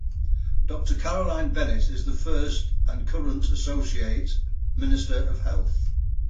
Doctor Carolyn Bennett is the first and current associate minister of health.